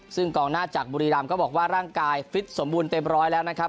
ซึ่งกองหน้าจากบุรีรำก็บอกว่าร่างกายฟิตสมบูรณ์เต็มร้อยแล้วนะครับ